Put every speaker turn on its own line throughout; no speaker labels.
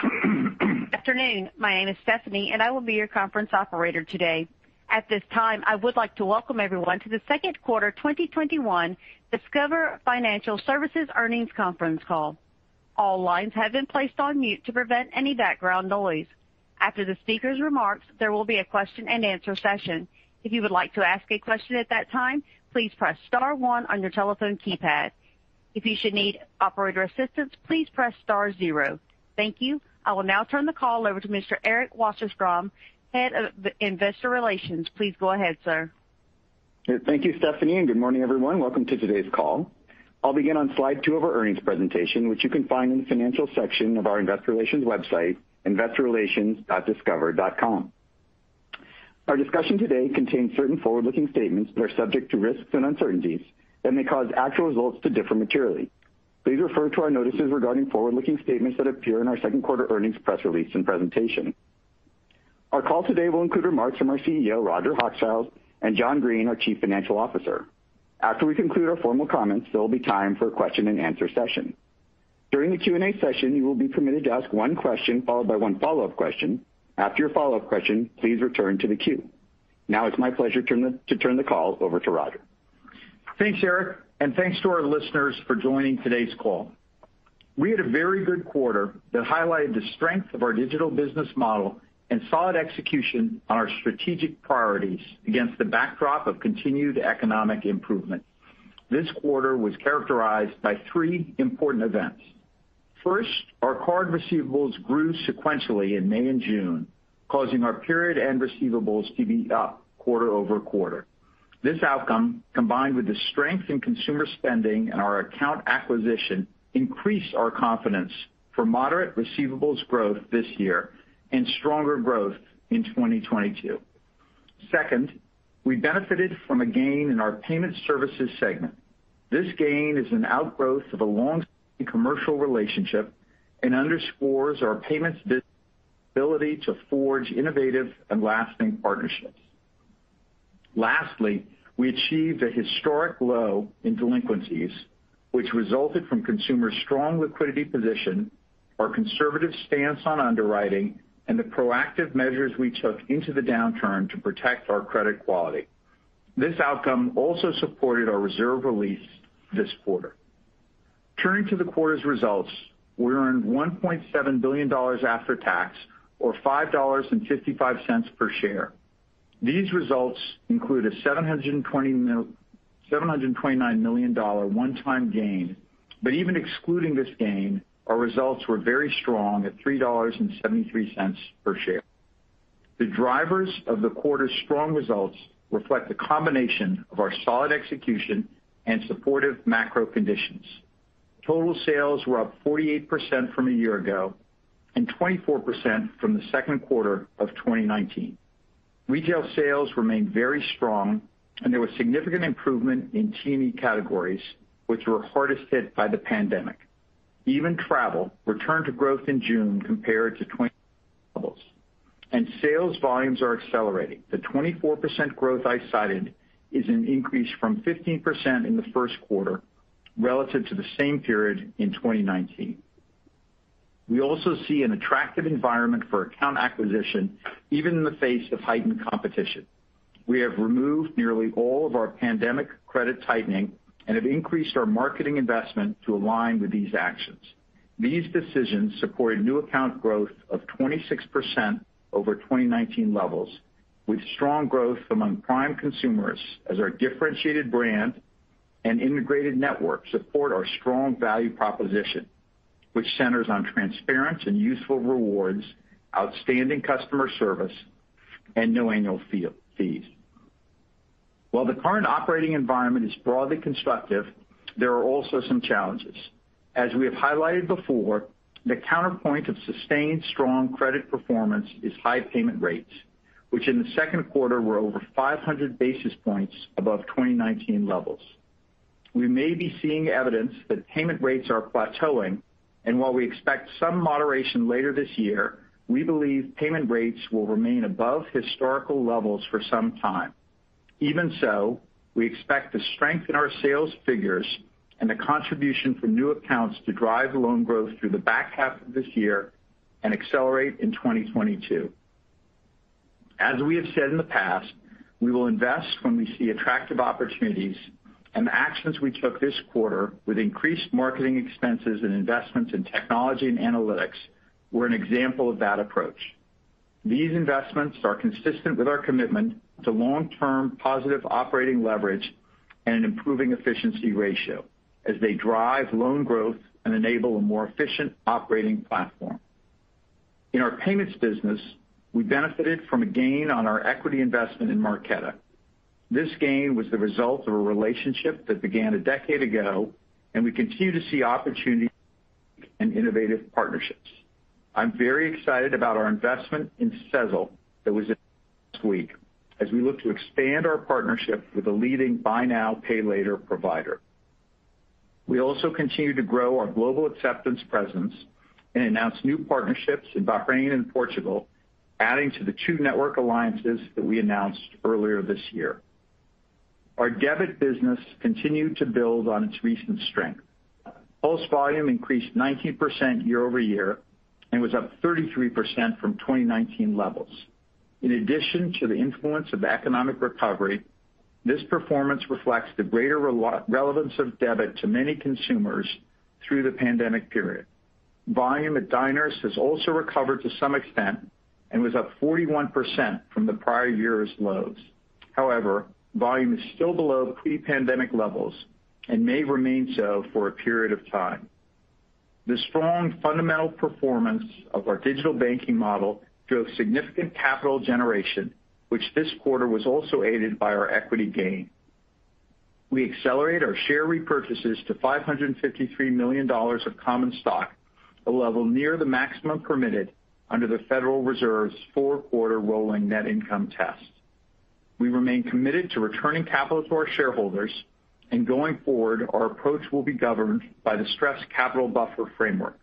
Good afternoon. My name is Stephanie, and I will be your conference operator today. At this time, I would like to welcome everyone to the second quarter 2021 Discover Financial Services earnings conference call. All lines have been placed on mute to prevent any background noise. After the speaker's remarks, there will be a question and answer session. If you would like to ask a question at that time, please press star one on your telephone keypad. If you should need operator assistance, please press star zero. Thank you. I will now turn the call over to Mr. Eric Wasserstrom, Head of Investor Relations. Please go ahead, sir.
Thank you, Stephanie, and good morning, everyone. Welcome to today's call. I'll begin on slide two of our earnings presentation, which you can find in the Financial Section of our investor relations website, investorrelations.discover.com. Our discussion today contains certain forward-looking statements that are subject to risks and uncertainties and may cause actual results to differ materially. Please refer to our notices regarding forward-looking statements that appear in our second quarter earnings press release and presentation. Our call today will include remarks from our CEO, Roger C. Hochschild, and John T. Greene, our Chief Financial Officer. After we conclude our formal comments, there will be time for a question and answer session. During the Q&A session, you will be permitted to ask one question followed by one follow-up question. After your follow-up question, please return to the queue. Now it's my pleasure to turn the call over to Roger.
Thanks, Eric, and thanks to our listeners for joining today's call. We had a very good quarter that highlighted the strength of our digital business model and solid execution on our strategic priorities against the backdrop of continued economic improvement. This quarter was characterized by three important events. First, our card receivables grew sequentially in May and June, causing our period end receivables to be up quarter-over-quarter. This outcome, combined with the strength in consumer spending and our account acquisition, increased our confidence for moderate receivables growth this year and stronger growth in 2022. Second, we benefited from a gain in our payment services segment. This gain is an outgrowth of a long commercial relationship and underscores our payments business' ability to forge innovative and lasting partnerships. Lastly, we achieved a historic low in delinquencies, which resulted from consumer strong liquidity position, our conservative stance on underwriting, and the proactive measures we took into the downturn to protect our credit quality. This outcome also supported our reserve release this quarter. Turning to the quarter's results, we earned $1.7 billion after tax, or $5.55 per share. These results include a $729 million one-time gain. Even excluding this gain, our results were very strong at $3.73 per share. The drivers of the quarter's strong results reflect the combination of our solid execution and supportive macro conditions. Total sales were up 48% from a year ago and 24% from the second quarter of 2019. Retail sales remained very strong, and there was significant improvement in T&E categories, which were hardest hit by the pandemic. Even travel returned to growth in June compared to 2020 levels. Sales volumes are accelerating. The 24% growth I cited is an increase from 15% in the first quarter relative to the same period in 2019. We also see an attractive environment for account acquisition, even in the face of heightened competition. We have removed nearly all of our pandemic credit tightening and have increased our marketing investment to align with these actions. These decisions supported new account growth of 26% over 2019 levels, with strong growth among prime consumers as our differentiated brand and integrated network support our strong value proposition, which centers on transparent and useful rewards, outstanding customer service, and no annual fees. While the current operating environment is broadly constructive, there are also some challenges. As we have highlighted before, the counterpoint of sustained strong credit performance is high payment rates, which in the second quarter were over 500 basis points above 2019 levels. We may be seeing evidence that payment rates are plateauing, and while we expect some moderation later this year, we believe payment rates will remain above historical levels for some time. Even so, we expect the strength in our sales figures and the contribution from new accounts to drive loan growth through the back half of this year and accelerate in 2022. As we have said in the past, we will invest when we see attractive opportunities, and the actions we took this quarter with increased marketing expenses and investments in technology and analytics were an example of that approach. These investments are consistent with our commitment to long-term positive operating leverage and an improving efficiency ratio, as they drive loan growth and enable a more efficient operating platform. In our payments business, we benefited from a gain on our equity investment in Marqeta. This gain was the result of a relationship that began a decade ago, and we continue to see opportunities and innovative partnerships. I'm very excited about our investment in Sezzle that was announced this week as we look to expand our partnership with a leading buy now, pay later provider. We also continue to grow our global acceptance presence and announce new partnerships in Bahrain and Portugal, adding to the two network alliances that we announced earlier this year. Our debit business continued to build on its recent strength. PULSE volume increased 19% year-over-year and was up 33% from 2019 levels. In addition to the influence of economic recovery, this performance reflects the greater relevance of debit to many consumers through the pandemic period. Volume at Diners Club has also recovered to some extent and was up 41% from the prior year's lows. However, volume is still below pre-pandemic levels and may remain so for a period of time. The strong fundamental performance of our digital banking model drove significant capital generation, which this quarter was also aided by our equity gain. We accelerate our share repurchases to $553 million of common stock, a level near the maximum permitted under the Federal Reserve's four-quarter rolling net income test. We remain committed to returning capital to our shareholders. Going forward, our approach will be governed by the Stress Capital Buffer framework.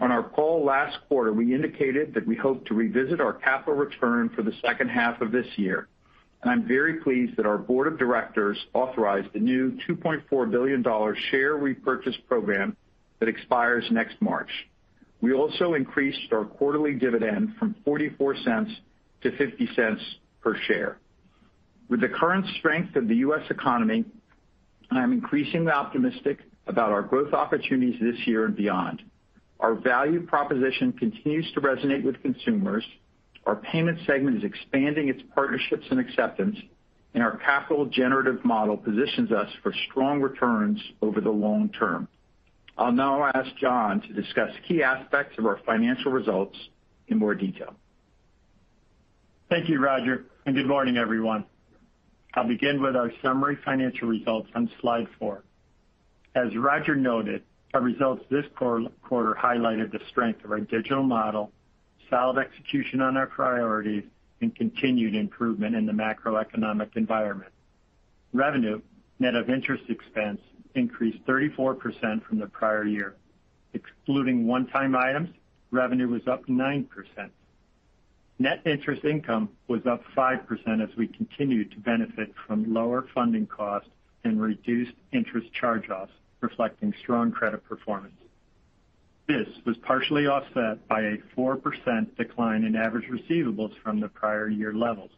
On our call last quarter, we indicated that we hope to revisit our capital return for the second half of this year. I'm very pleased that our board of directors authorized a new $2.4 billion share repurchase program that expires next March. We also increased our quarterly dividend from $0.44-$0.50 per share. With the current strength of the U.S. economy, I am increasingly optimistic about our growth opportunities this year and beyond. Our value proposition continues to resonate with consumers. Our payment segment is expanding its partnerships and acceptance, and our capital generative model positions us for strong returns over the long term. I'll now ask John to discuss key aspects of our financial results in more detail.
Thank you, Roger, and good morning, everyone. I'll begin with our summary financial results on slide four. As Roger noted, our results this quarter highlighted the strength of our digital model, solid execution on our priorities, and continued improvement in the macroeconomic environment. Revenue net of interest expense increased 34% from the prior year. Excluding one-time items, revenue was up 9%. Net interest income was up 5% as we continued to benefit from lower funding costs and reduced interest charge-offs, reflecting strong credit performance. This was partially offset by a 4% decline in average receivables from the prior year levels.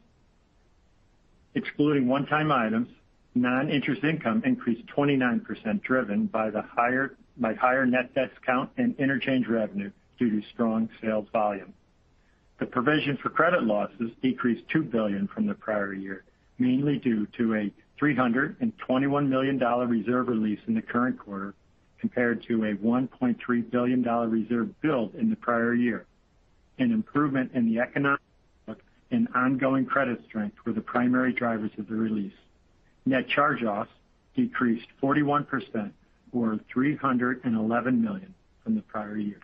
Excluding one-time items, non-interest income increased 29%, driven by higher net discount and interchange revenue due to strong sales volume. The provision for credit losses decreased $2 billion from the prior year, mainly due to a $321 million reserve release in the current quarter compared to a $1.3 billion reserve build in the prior year. An improvement in the economic and ongoing credit strength were the primary drivers of the release. Net charge-offs decreased 41%, or $311 million from the prior year.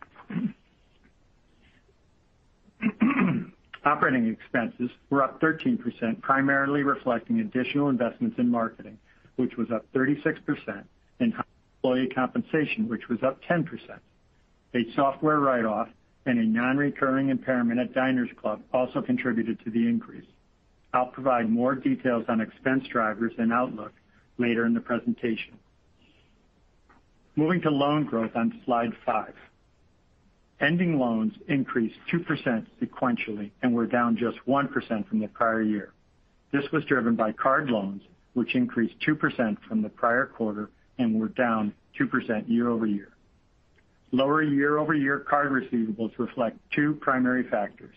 Operating expenses were up 13%, primarily reflecting additional investments in marketing, which was up 36%, and high employee compensation, which was up 10%. A software write-off and a non-recurring impairment at Diners Club International also contributed to the increase. I'll provide more details on expense drivers and outlook later in the presentation. Moving to loan growth on slide five. Ending loans increased 2% sequentially and were down just 1% from the prior year. This was driven by card loans, which increased 2% from the prior quarter and were down 2% year-over-year. Lower year-over-year card receivables reflect two primary factors.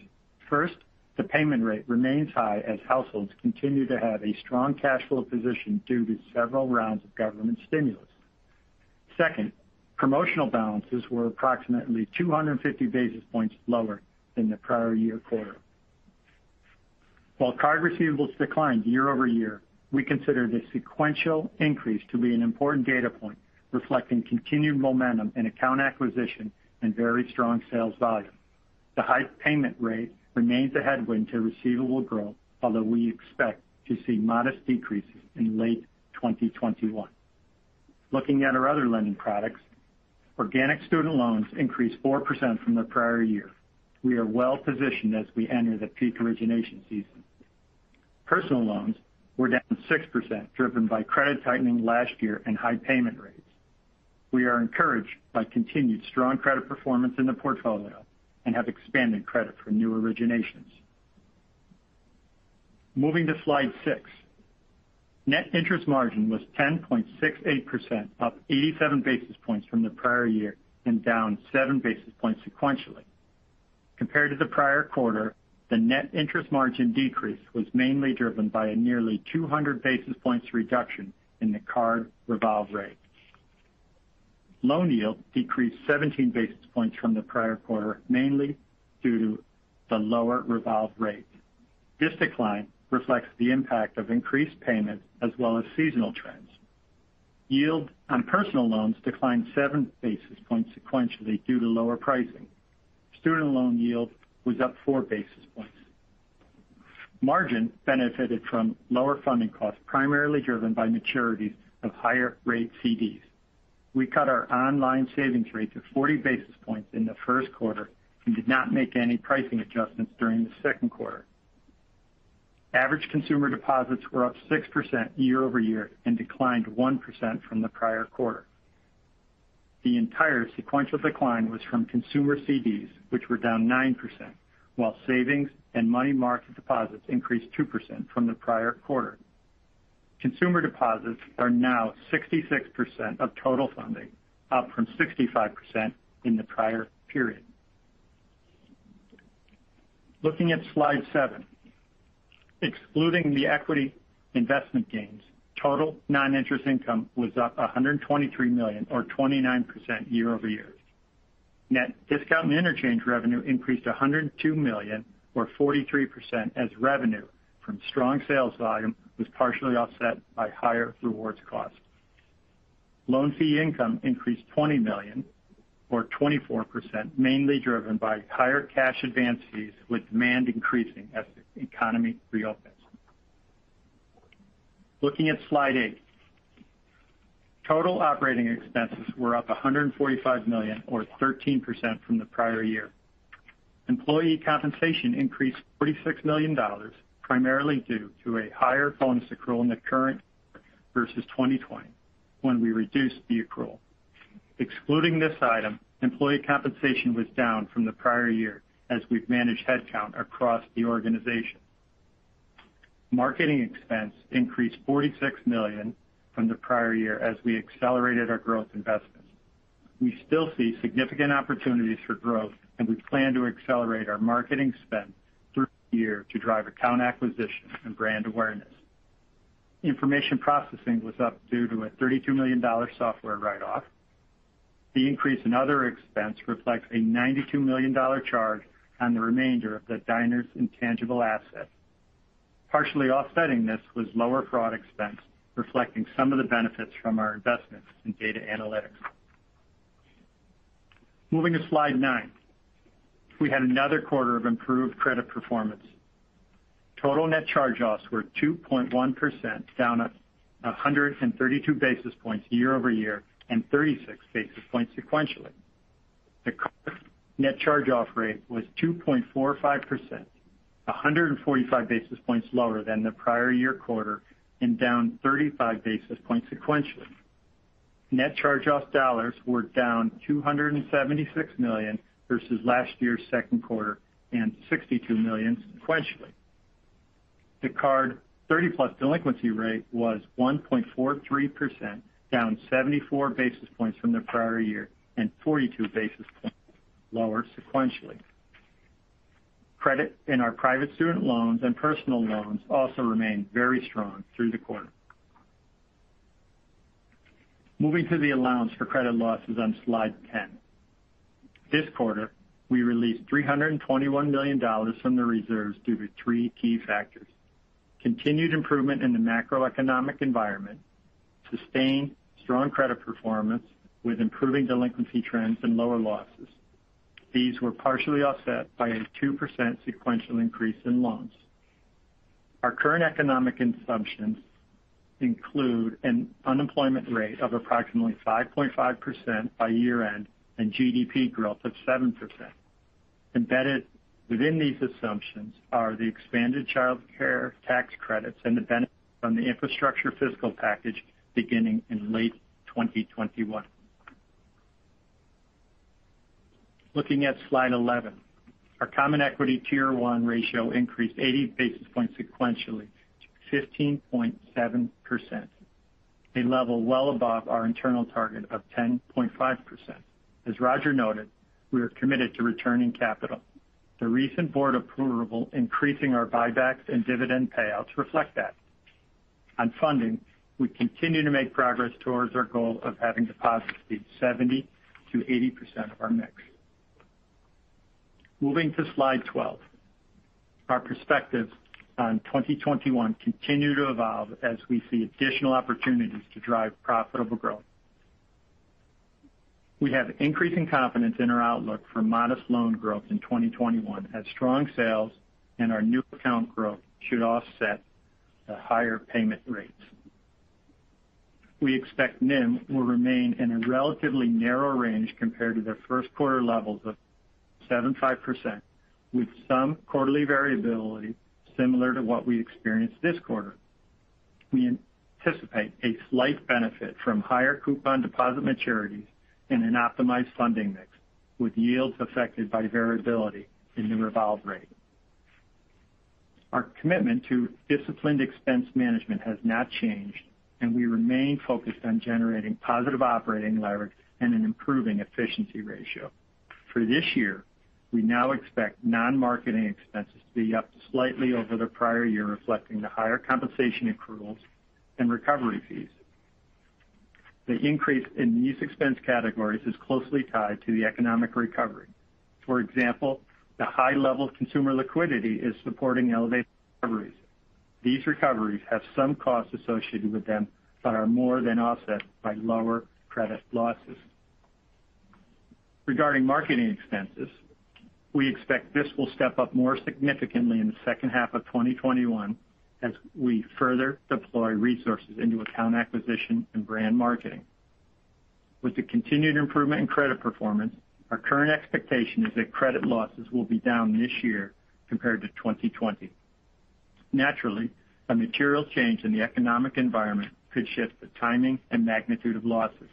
First, the payment rate remains high as households continue to have a strong cash flow position due to several rounds of government stimulus. Second, promotional balances were approximately 250 basis points lower than the prior year quarter. While card receivables declined year-over-year, we consider the sequential increase to be an important data point reflecting continued momentum in account acquisition and very strong sales volume. The high payment rate remains a headwind to receivable growth, although we expect to see modest decreases in late 2021. Looking at our other lending products, organic student loans increased 4% from the prior year. We are well positioned as we enter the peak origination season. Personal loans were down 6%, driven by credit tightening last year and high payment rates. We are encouraged by continued strong credit performance in the portfolio and have expanded credit for new originations. Moving to slide six. Net interest margin was 10.68%, up 87 basis points from the prior year and down 7 basis points sequentially. Compared to the prior quarter, the net interest margin decrease was mainly driven by a nearly 200 basis points reduction in the card revolve rate. Loan yield decreased 17 basis points from the prior quarter, mainly due to the lower revolve rate. This decline reflects the impact of increased payments as well as seasonal trends. Yield on personal loans declined 7 basis points sequentially due to lower pricing. Student loan yield was up 4 basis points. Margin benefited from lower funding costs, primarily driven by maturities of higher rate CDs. We cut our online savings rate to 40 basis points in the first quarter and did not make any pricing adjustments during the second quarter. Average consumer deposits were up 6% year-over-year and declined 1% from the prior quarter. The entire sequential decline was from consumer CDs, which were down 9%, while savings and money market deposits increased 2% from the prior quarter. Consumer deposits are now 66% of total funding, up from 65% in the prior period. Looking at slide seven. Excluding the equity investment gains, total non-interest income was up $123 million or 29% year-over-year. Net discount and interchange revenue increased $102 million or 43% as revenue from strong sales volume was partially offset by higher rewards cost. Loan fee income increased $20 million or 24%, mainly driven by higher cash advance fees, with demand increasing as the economy reopens. Looking at slide eight. Total operating expenses were up $145 million or 13% from the prior year. Employee compensation increased $46 million, primarily due to a higher bonus accrual in the current versus 2020, when we reduced the accrual. Excluding this item, employee compensation was down from the prior year as we've managed headcount across the organization. Marketing expense increased $46 million from the prior year as we accelerated our growth investments. We still see significant opportunities for growth, and we plan to accelerate our marketing spend through the year to drive account acquisition and brand awareness. Information processing was up due to a $32 million software write-off. The increase in other expense reflects a $92 million charge on the remainder of the Diners Club International intangible asset. Partially offsetting this was lower fraud expense, reflecting some of the benefits from our investments in data analytics. Moving to Slide nine. We had another quarter of improved credit performance. Total net charge-offs were 2.1%, down 132 basis points year-over-year and 36 basis points sequentially. The card net charge-off rate was 2.45%, 145 basis points lower than the prior year quarter and down 35 basis points sequentially. Net charge-off dollars were down $276 million versus last year's second quarter and $62 million sequentially. The card 30+ delinquency rate was 1.43%, down 74 basis points from the prior year and 42 basis points lower sequentially. Credit in our private student loans and personal loans also remained very strong through the quarter. Moving to the allowance for credit losses on Slide 10. This quarter, we released $321 million from the reserves due to three key factors. Continued improvement in the macroeconomic environment, sustained strong credit performance with improving delinquency trends and lower losses. These were partially offset by a 2% sequential increase in loans. Our current economic assumptions include an unemployment rate of approximately 5.5% by year-end and GDP growth of 7%. Embedded within these assumptions are the expanded Child Tax Credits and the benefits from the infrastructure fiscal package beginning in late 2021. Looking at slide 11. Our Common Equity Tier 1 ratio increased 80 basis points sequentially to 15.7%, a level well above our internal target of 10.5%. As Roger noted, we are committed to returning capital. The recent board approval increasing our buybacks and dividend payouts reflect that. On funding, we continue to make progress towards our goal of having deposits be 70%-80% of our mix. Moving to slide 12. Our perspectives on 2021 continue to evolve as we see additional opportunities to drive profitable growth. We have increasing confidence in our outlook for modest loan growth in 2021 as strong sales and our new account growth should offset the higher payment rates. We expect NIM will remain in a relatively narrow range compared to the first quarter levels of, with some quarterly variability similar to what we experienced this quarter. We anticipate a slight benefit from higher coupon deposit maturities and an optimized funding mix, with yields affected by variability in the revolve rate. Our commitment to disciplined expense management has not changed. We remain focused on generating positive operating leverage and an improving efficiency ratio. For this year, we now expect non-marketing expenses to be up slightly over the prior year, reflecting the higher compensation accruals and recovery fees. The increase in these expense categories is closely tied to the economic recovery. For example, the high level of consumer liquidity is supporting elevated recoveries. These recoveries have some costs associated with them but are more than offset by lower credit losses. Regarding marketing expenses, we expect this will step up more significantly in the second half of 2021 as we further deploy resources into account acquisition and brand marketing. With the continued improvement in credit performance, our current expectation is that credit losses will be down this year compared to 2020. Naturally, a material change in the economic environment could shift the timing and magnitude of losses.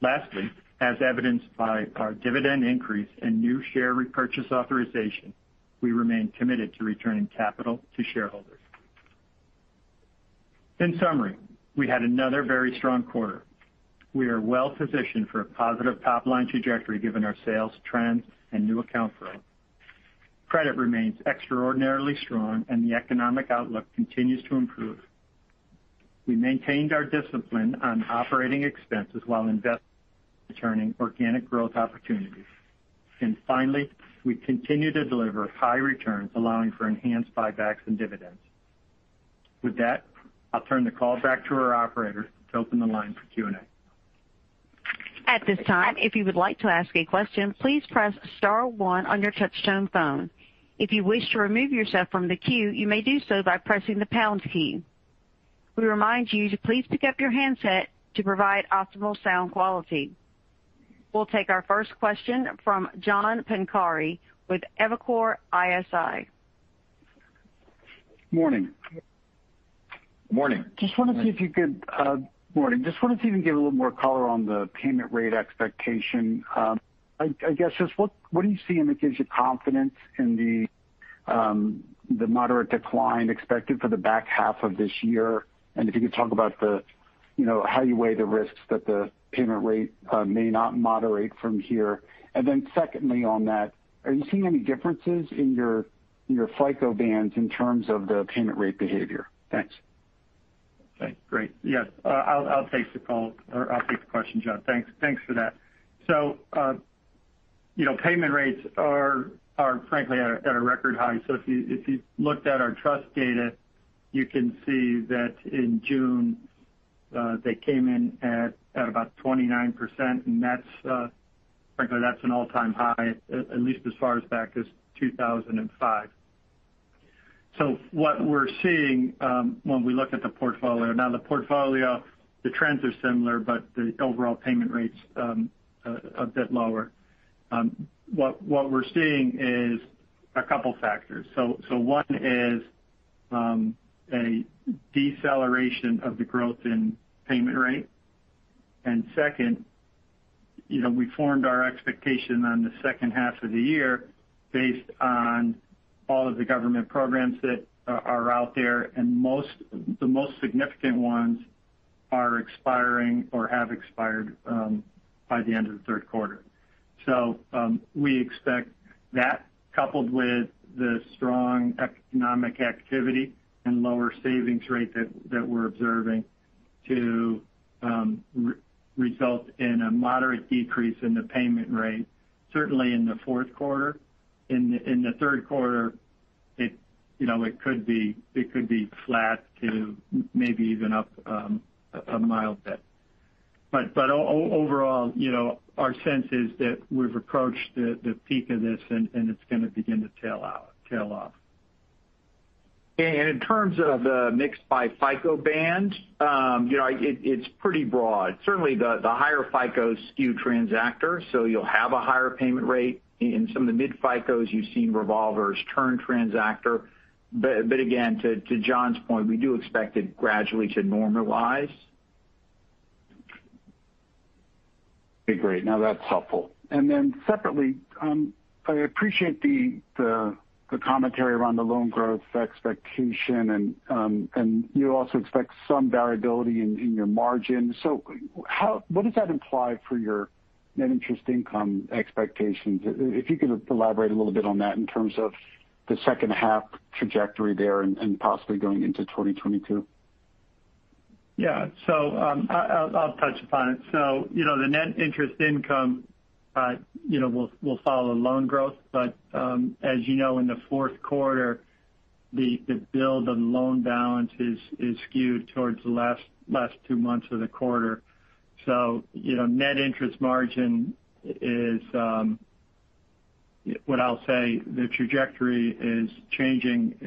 Lastly, as evidenced by our dividend increase and new share repurchase authorization, we remain committed to returning capital to shareholders. In summary, we had another very strong quarter. We are well-positioned for a positive top-line trajectory given our sales trends and new account growth. Credit remains extraordinarily strong and the economic outlook continues to improve. We maintained our discipline on operating expenses while investing in returning organic growth opportunities. Finally, we continue to deliver high returns, allowing for enhanced buybacks and dividends. With that, I'll turn the call back to our operator to open the line for Q&A.
At this time. If you would like to ask a question, please press star one on your touch-tone phone. If you wish to remove yourself from the queue. You may do so by pressing the pound key. To remind you, please pick up your handset to provide optimal sound quality. We'll take our first question from John Pancari with Evercore ISI.
Morning.
Morning.
Morning. Just wanted to see if you could give a little more color on the payment rate expectation. I guess just what do you see in the future confidence in the moderate decline expected for the back half of this year? If you could talk about how you weigh the risks that the payment rate may not moderate from here. Secondly on that, are you seeing any differences in your FICO bands in terms of the payment rate behavior? Thanks.
Okay, great. Yes. I'll take the call or I'll take the question, John. Thanks for that. Payment rates are frankly at a record high. If you looked at our trust data, you can see that in June, they came in at about 29%, and frankly, that's an all-time high, at least as far as back as 2005. What we're seeing when we look at the portfolio, the portfolio, the trends are similar, but the overall payment rate's a bit lower. What we're seeing is a couple factors. One is a deceleration of the growth in payment rate. Second, we formed our expectation on the second half of the year based on all of the government programs that are out there, and the most significant ones are expiring or have expired by the end of the third quarter. We expect that coupled with the strong economic activity and lower savings rate that we're observing to result in a moderate decrease in the payment rate, certainly in the fourth quarter. In the third quarter, it could be flat to maybe even up a mild bit. Overall, our sense is that we've approached the peak of this and it's going to begin to tail off.
In terms of the mix by FICO band, it's pretty broad. Certainly the higher FICO skew transactor, so you'll have a higher payment rate. In some of the mid-FICOs you've seen revolvers turn transactor. Again, to John's point, we do expect it gradually to normalize.
Okay, great. That's helpful. Separately, I appreciate the commentary around the loan growth expectation and you also expect some variability in your margin. What does that imply for your net interest income expectations? If you could elaborate a little bit on that in terms of the second half trajectory there and possibly going into 2022.
I'll touch upon it. The net interest income will follow loan growth. As you know, in the fourth quarter, the build on loan balance is skewed towards the last two months of the quarter. Net interest margin is what I'll say, the trajectory is changing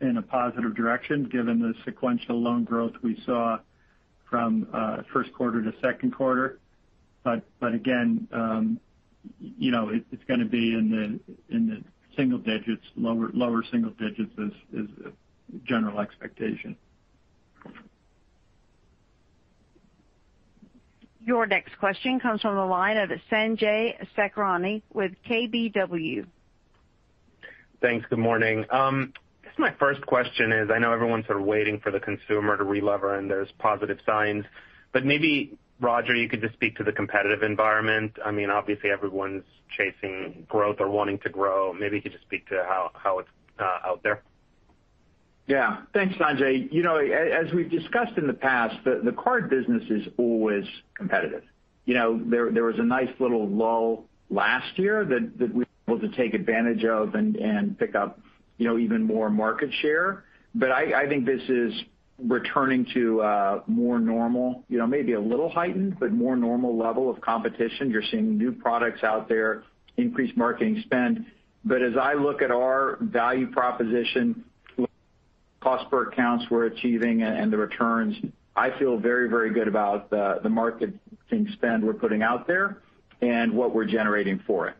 in a positive direction given the sequential loan growth we saw from first quarter to second quarter. Again, it's going to be in the lower single digits is general expectation.
Your next question comes from the line of Sanjay Sakhrani with KBW.
Thanks. Good morning. I guess my first question is, I know everyone's sort of waiting for the consumer to relever and there's positive signs. Maybe, Roger, you could just speak to the competitive environment. I mean, obviously everyone's chasing growth or wanting to grow. Maybe you could just speak to how it's out there.
Yeah. Thanks, Sanjay. As we've discussed in the past, the card business is always competitive. There was a nice little lull last year that we were able to take advantage of and pick up even more market share. I think this is returning to a more normal, maybe a little heightened, but more normal level of competition. You're seeing new products out there, increased marketing spend. As I look at our value proposition, cost per accounts we're achieving, and the returns, I feel very good about the marketing spend we're putting out there and what we're generating for it.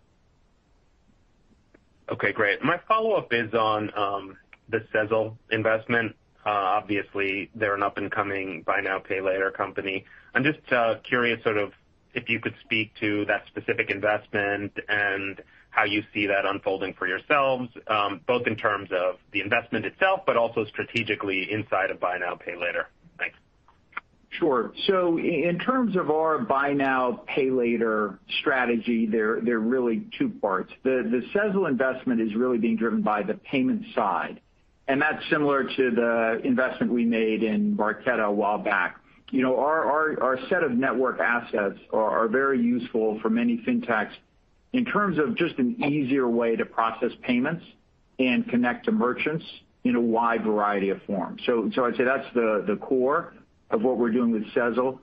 Okay, great. My follow-up is on the Sezzle investment. Obviously, they're an up-and-coming buy now, pay later company. I'm just curious if you could speak to that specific investment and how you see that unfolding for yourselves, both in terms of the investment itself, but also strategically inside of buy now, pay later. Thanks.
Sure. In terms of our buy now, pay later strategy, there are really two parts. The Sezzle investment is really being driven by the payment side, and that's similar to the investment we made in Marqeta a while back. Our set of network assets are very useful for many fintechs in terms of just an easier way to process payments and connect to merchants in a wide variety of forms. I'd say that's the core of what we're doing with Sezzle.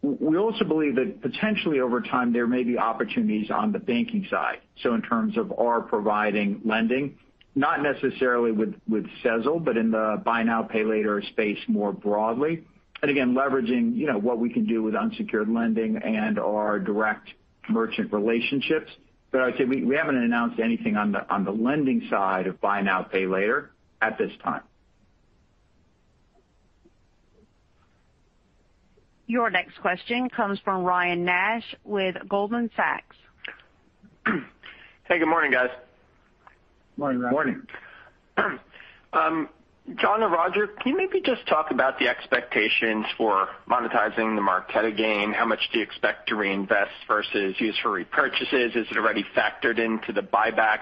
We also believe that potentially over time, there may be opportunities on the banking side. In terms of our providing lending, not necessarily with Sezzle, but in the buy now, pay later space more broadly. Again, leveraging what we can do with unsecured lending and our direct merchant relationships. We haven't announced anything on the lending side of buy now, pay later at this time.
Your next question comes from Ryan Nash with Goldman Sachs.
Hey, good morning, guys.
Morning.
Morning.
John or Roger, can you maybe just talk about the expectations for monetizing the Marqeta gain? How much do you expect to reinvest versus use for repurchases? Is it already factored into the buyback?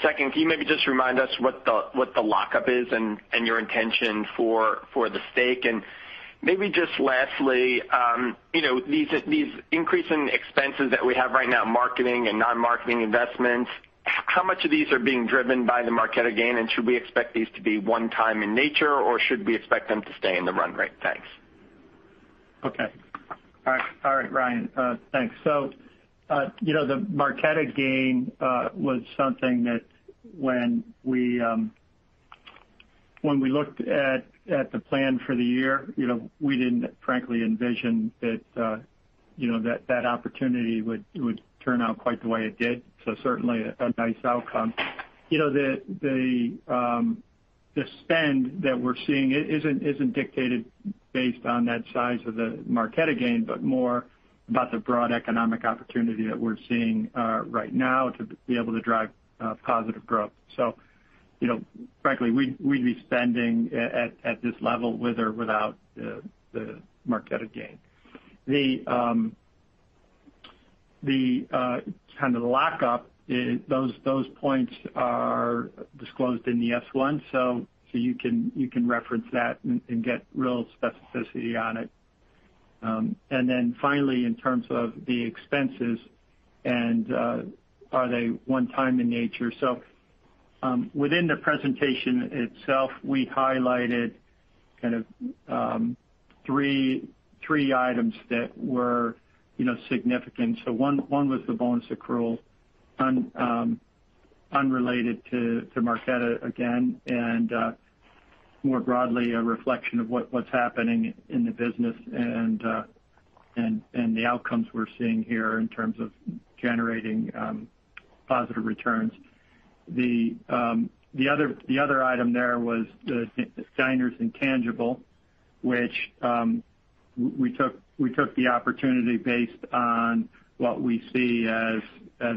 Second, can you maybe just remind us what the lockup is and your intention for the stake? Maybe just lastly, these increasing expenses that we have right now, marketing and non-marketing investments, how much of these are being driven by the Marqeta gain, and should we expect these to be one time in nature, or should we expect them to stay in the run rate? Thanks.
Okay. All right, Ryan. Thanks. The Marqeta gain was something that when we looked at the plan for the year, we didn't frankly envision that opportunity would turn out quite the way it did. Certainly a nice outcome. The spend that we're seeing isn't dictated based on that size of the Marqeta gain, but more about the broad economic opportunity that we're seeing right now to be able to drive positive growth. Frankly, we'd be spending at this level with or without the Marqeta gain. The lockup, those points are disclosed in the S-1. You can reference that and get real specificity on it. Finally, in terms of the expenses and are they one time in nature? Within the presentation itself, we highlighted kind of three items that were significant. One was the bonus accrual unrelated to Marqeta gain. More broadly, a reflection of what's happening in the business and the outcomes we're seeing here in terms of generating positive returns. The other item there was the Diners Club International intangible, which we took the opportunity based on what we see as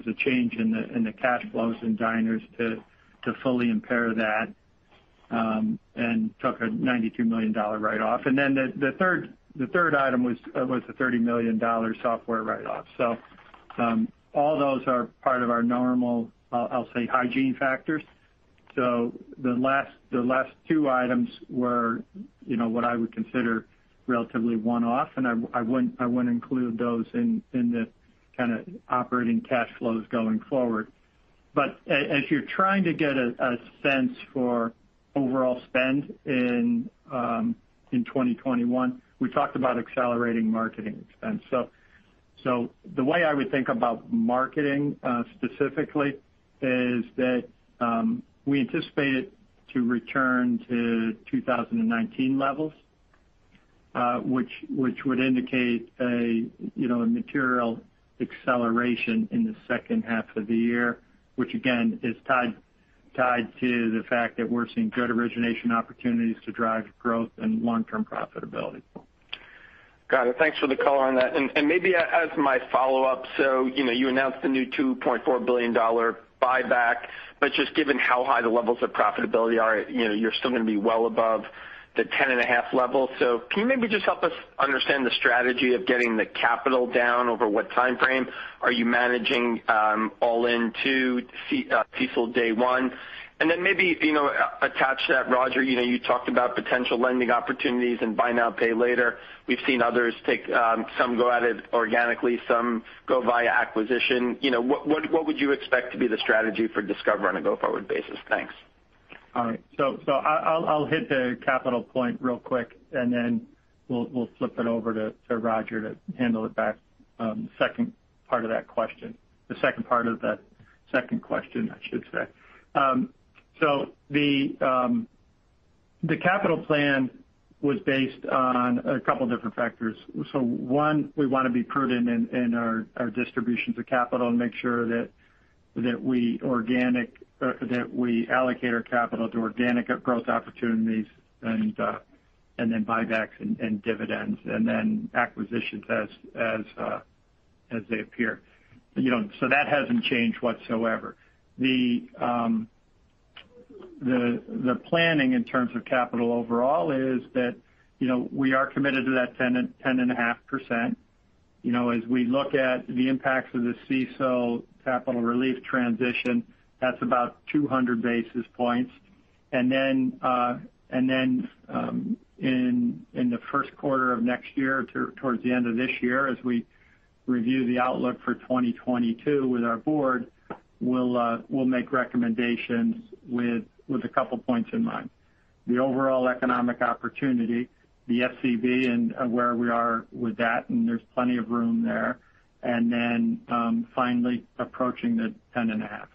a change in the cash flows in Diners Club International to fully impair that, and took a $92 million write-off. The third item was the $32 million software write-off. All those are part of our normal, I'll say, hygiene factors. The last two items were what I would consider relatively one-off, and I wouldn't include those in the kind of operating cash flows going forward. As you're trying to get a sense for overall spend in 2021, we talked about accelerating marketing spend. The way I would think about marketing specifically is that we anticipate it to return to 2019 levels, which would indicate a material acceleration in the second half of the year, which again, is tied to the fact that we're seeing good origination opportunities to drive growth and long-term profitability.
Got it. Thanks for the color on that. Maybe as my follow-up, you announced the new $2.4 billion buyback, but just given how high the levels of profitability are, you're still going to be well above the 10.5 level. Can you maybe just help us understand the strategy of getting the capital down over what time frame? Are you managing all into CECL Day 1? Then maybe attach that, Roger, you talked about potential lending opportunities and buy now, pay later. We've seen others take some, go at it organically, some go via acquisition. What would you expect to be the strategy for Discover on a go-forward basis? Thanks.
All right. I'll hit the capital point real quick, and then we'll flip it over to Roger to handle it back, the second part of that question. The second part of the second question, I should say. The capital plan was based on a couple of different factors. One, we want to be prudent in our distributions of capital and make sure that we allocate our capital to organic growth opportunities and then buybacks and dividends, and then acquisitions as they appear. That hasn't changed whatsoever. The planning in terms of capital overall is that we are committed to that 10.5%. As we look at the impacts of the CECL capital relief transition, that's about 200 basis points. In the first quarter of next year or towards the end of this year, as we review the outlook for 2022 with our Board, we'll make recommendations with couple of points in mind. The overall economic opportunity, the SCB, and where we are with that, and there's plenty of room there, and finally approaching the 10.5.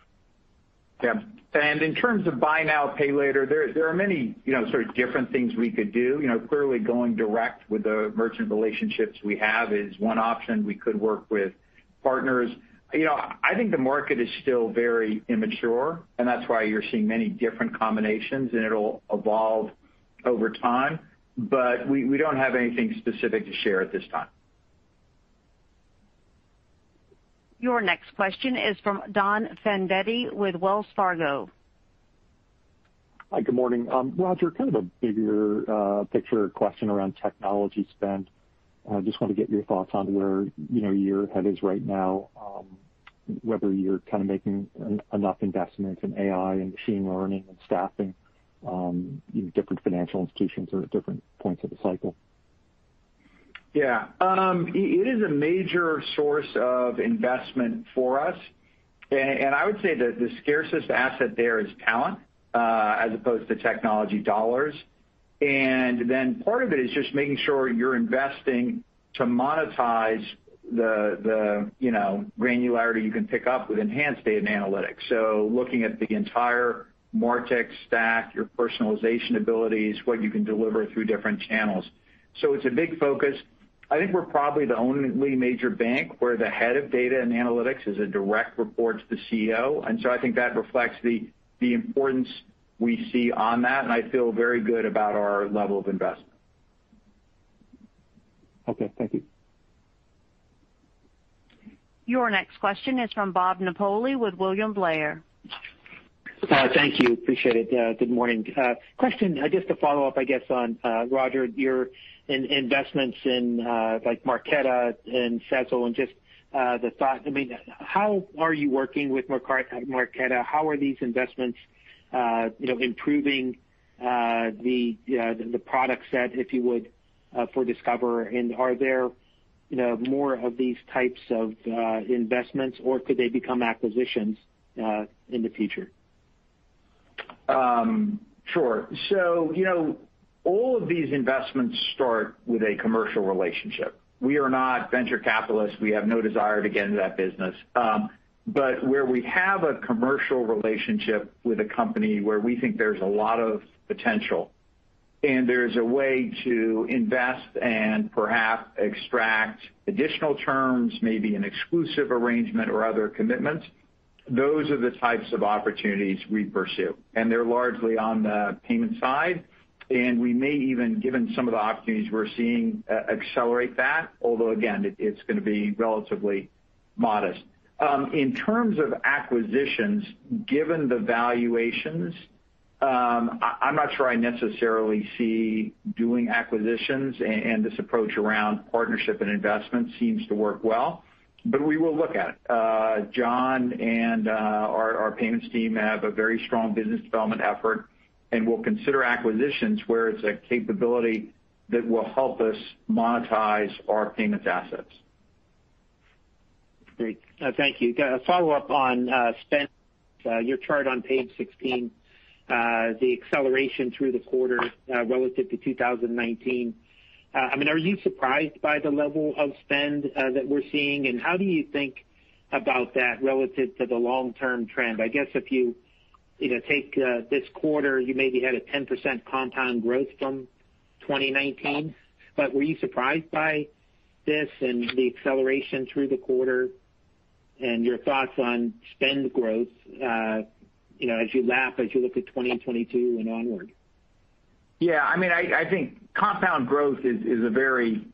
Yeah. In terms of buy now, pay later, there are many sort of different things we could do. Clearly going direct with the merchant relationships we have is one option. We could work with partners. I think the market is still very immature, and that's why you're seeing many different combinations, and it'll evolve over time. We don't have anything specific to share at this time.
Your next question is from Donald Fandetti with Wells Fargo.
Hi, good morning. Roger, kind of a bigger picture question around technology spend. Just want to get your thoughts on where your head is right now, whether you're kind of making enough investments in AI and machine learning and staffing. Different financial institutions are at different points of the cycle.
Yeah. It is a major source of investment for us. I would say the scarcest asset there is talent as opposed to technology dollars. Then part of it is just making sure you're investing to monetize the granularity you can pick up with enhanced data and analytics. Looking at the entire MarTech stack, your personalization abilities, what you can deliver through different channels. It's a big focus. I think we're probably the only major bank where the head of data and analytics is a direct report to the CEO, so I think that reflects the importance we see on that, and I feel very good about our level of investment.
Okay. Thank you.
Your next question is from Robert Napoli with William Blair.
Thank you. Appreciate it. Good morning. Question, just to follow up, I guess on Roger, your investments in like Marqeta and Sezzle and just the thought. How are you working with Marqeta? How are these investments improving the product set, if you would, for Discover? Are there more of these types of investments, or could they become acquisitions in the future?
All of these investments start with a commercial relationship. We are not venture capitalists. We have no desire to get into that business. Where we have a commercial relationship with a company where we think there's a lot of potential and there's a way to invest and perhaps extract additional terms, maybe an exclusive arrangement or other commitments, those are the types of opportunities we pursue, and they're largely on the payment side. We may even, given some of the opportunities we're seeing, accelerate that, although again, it's going to be relatively modest. In terms of acquisitions, given the valuations, I'm not sure I necessarily see doing acquisitions, and this approach around partnership and investment seems to work well, but we will look at it. John and our payments team have a very strong business development effort, and we'll consider acquisitions where it's a capability that will help us monetize our payments assets.
Great. Thank you. A follow-up on spend. Your chart on page 16 the acceleration through the quarter relative to 2019. Are you surprised by the level of spend that we're seeing, and how do you think about that relative to the long-term trend? I guess if you take this quarter, you maybe had a 10% compound growth from 2019. Were you surprised by this and the acceleration through the quarter and your thoughts on spend growth as you lap, as you look to 2022 and onward?
Yeah. I think compound growth is a very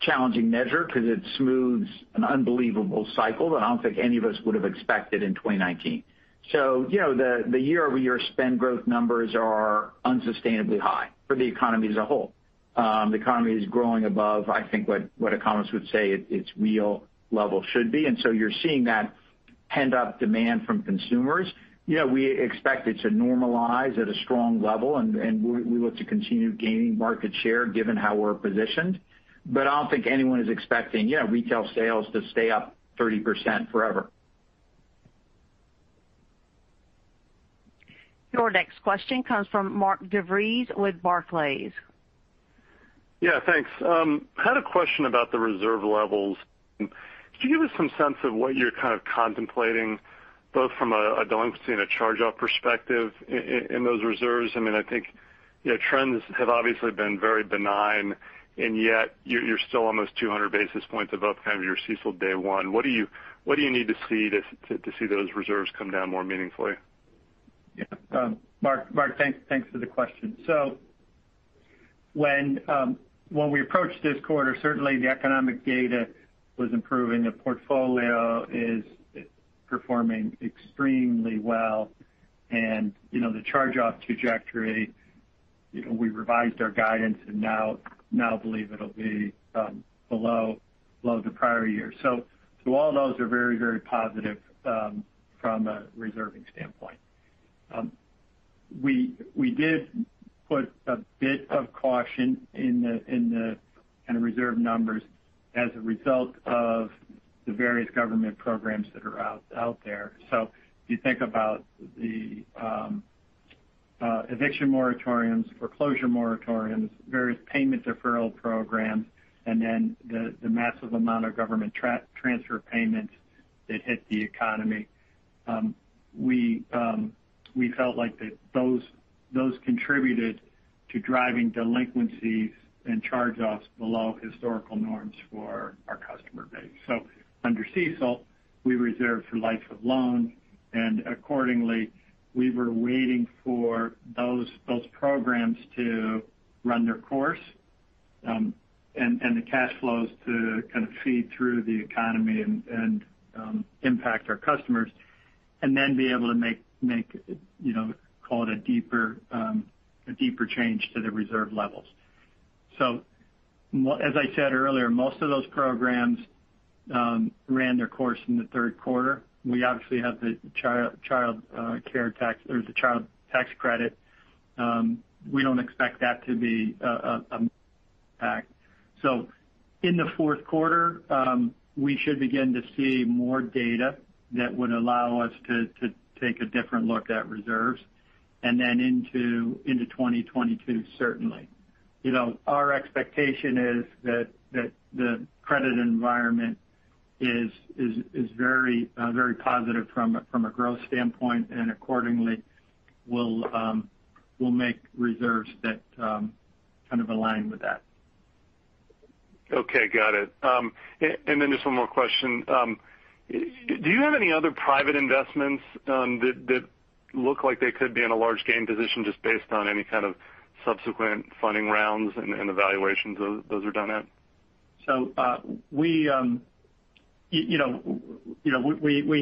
challenging measure because it smooths an unbelievable cycle that I don't think any of us would've expected in 2019. The year-over-year spend growth numbers are unsustainably high for the economy as a whole. The economy is growing above, I think, what economists would say its real level should be, you're seeing that pent-up demand from consumers. We expect it to normalize at a strong level, we look to continue gaining market share given how we're positioned. I don't think anyone is expecting retail sales to stay up 30% forever.
Your next question comes from Mark DeVries with Barclays.
Yeah, thanks. I had a question about the reserve levels. Could you give us some sense of what you're kind of contemplating, both from a delinquency and a charge-off perspective in those reserves? Yet you're still almost 200 basis points above kind of your CECL Day 1. What do you need to see those reserves come down more meaningfully?
Mark, thanks for the question. When we approached this quarter, certainly the economic data was improving. The portfolio is performing extremely well. The charge-off trajectory, we revised our guidance and now believe it'll be below the prior year. All those are very positive from a reserving standpoint. We did put a bit of caution in the kind of reserve numbers as a result of the various government programs that are out there. If you think about the eviction moratoriums, foreclosure moratoriums, various payment deferral programs, and then the massive amount of government transfer payments that hit the economy. We felt like those contributed to driving delinquencies and charge-offs below historical norms for our customer base. Under CECL, we reserve for life of loan, and accordingly, we were waiting for those programs to run their course, and the cash flows to kind of feed through the economy and impact our customers, and then be able to make call it a deeper change to the reserve levels. As I said earlier, most of those programs ran their course in the third quarter. We obviously have the Child Care tax or the Child Tax Credit. We don't expect that to be a. In the fourth quarter, we should begin to see more data that would allow us to take a different look at reserves, and then into 2022 certainly. Our expectation is that the credit environment is very positive from a growth standpoint, and accordingly, we'll make reserves that kind of align with that.
Okay, got it. Just one more question. Do you have any other private investments that look like they could be in a large gain position just based on any kind of subsequent funding rounds and the valuations those are done at?
We